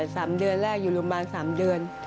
สามเดือนแรกอยู่โรงพยาบาลสามเดือน